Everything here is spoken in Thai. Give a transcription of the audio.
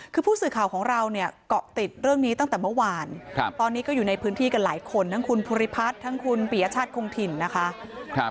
คือผู้สื่อข่าวของเราเนี่ยเกาะติดเรื่องนี้ตั้งแต่เมื่อวานตอนนี้ก็อยู่ในพื้นที่กันหลายคนทั้งคุณภูริพัฒน์ทั้งคุณปียชาติคงถิ่นนะคะ